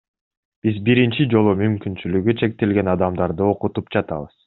Биз биринчи жолу мүмкүнчүлүгү чектелген адамдарды окутуп жатабыз.